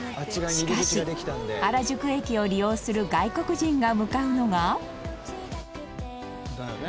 しかし、原宿駅を利用する外国人が向かうのが石原：だよね！